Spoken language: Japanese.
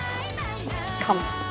かも。